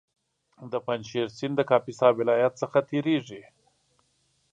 د پنجشېر سیند د کاپیسا ولایت څخه تېرېږي